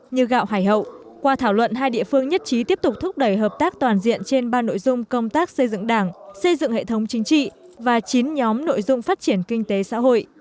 như gạo hải hậu qua thảo luận hai địa phương nhất trí tiếp tục thúc đẩy hợp tác toàn diện trên ba nội dung công tác xây dựng đảng xây dựng hệ thống chính trị và chín nhóm nội dung phát triển kinh tế xã hội